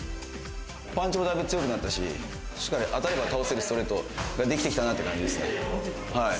パンチもだいぶ強くなったし、当たれば倒せるストレートができてきたって感じです。